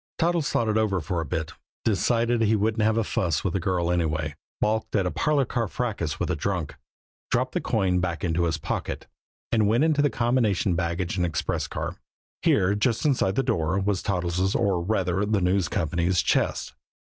Toddles thought it over for a bit; decided he wouldn't have a fuss with a girl anyway, balked at a parlor car fracas with a drunk, dropped the coin back into his pocket, and went on into the combination baggage and express car. Here, just inside the door, was Toddles', or, rather, the News Company's chest.